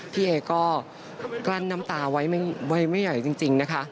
พี่เอก็กลั้นน้ำตาไว้ไม่ใหญ่จริงนะคะ